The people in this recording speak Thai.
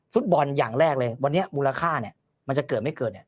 ฟุตบอลอย่างแรกเลยวันนี้มูลค่าเนี่ยมันจะเกิดไม่เกิดเนี่ย